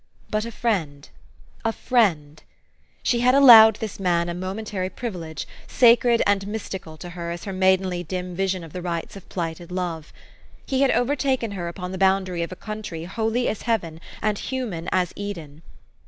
But a friend, a friend. She had ah 1 owed this man a momentary privilege, sacred and mystical to her as her maidenly dim vision of the rights of plighted love. He had overtaken her upon the boundary of a country holy as heaven, and human as Eden.